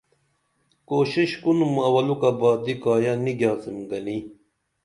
کُوشش کُنُم اولُکہ باتی کایہ نی گیاڅِم گنی